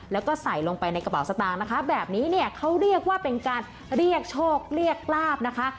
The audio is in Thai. แล้วก็ใส่ลงไปในกระเป๋าสตางค์นะคะแบบนี้เนี่ยเขาเรียกว่าเป็นการเรียกโชคเรียกลาบนะคะ